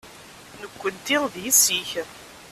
Nekkenti d yessi-k.